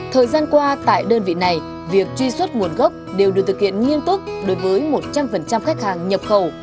thời gian qua tại đơn vị này việc truy xuất nguồn gốc đều được thực hiện nghiêm túc đối với một trăm linh khách hàng nhập khẩu